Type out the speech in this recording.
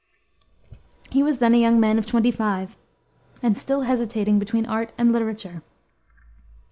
He was then a young man of twenty five, and still hesitating between art and literature.